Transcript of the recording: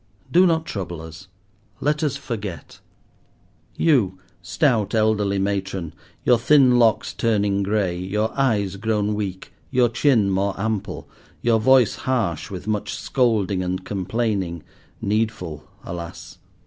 Do not trouble us. Let us forget. You, stout elderly matron, your thin locks turning grey, your eyes grown weak, your chin more ample, your voice harsh with much scolding and complaining, needful, alas!